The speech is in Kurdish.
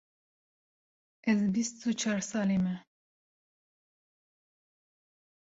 Ez bîst û çar salî me.